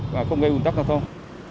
và không gây ung tắc giao thông